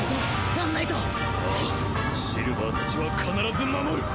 ああシルヴァーたちは必ず守る！